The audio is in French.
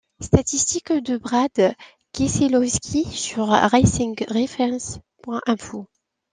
Statistiques de Brad Keselowski sur racing-reference.info.